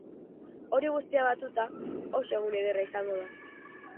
Hori guztia batuta, oso egun ederra izango da.